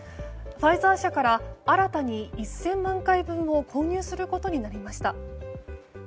ファイザー社から新たに１０００万回分を購入することになりました。